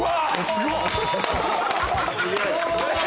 すごっ！